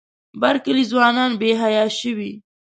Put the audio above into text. بر کلي ځوانان بې حیا شوي.